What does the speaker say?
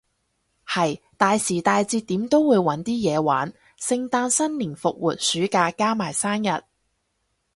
係，大時大節點都會搵啲嘢玩，聖誕新年復活暑假，加埋生日